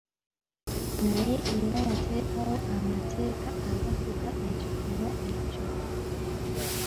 Naye era yateekawo amateeka agafuga ekikolwa ekyo.